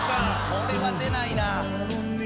これは出ないな。